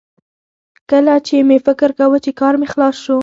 کله چې مې فکر کاوه چې کار مې خلاص شو